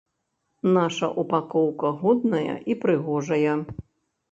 Наша упакоўка годная і прыгожая.